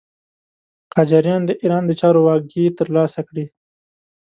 قاجاریان د ایران د چارو واګې تر لاسه کړې.